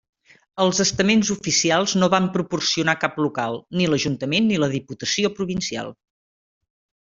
Els estaments oficials no van proporcionar cap local, ni l'Ajuntament ni la Diputació Provincial.